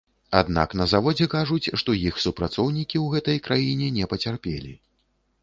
Аднак на заводзе кажуць, што іх супрацоўнікі ў гэтай краіне не пацярпелі.